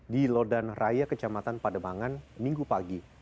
di lodan raya kecamatan pademangan minggu pagi